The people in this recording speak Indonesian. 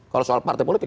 kalau soal partai politik